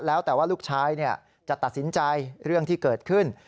แล้วแต่ว่าลูกชายจะตัดสินใจเรื่องที่เกิดขึ้น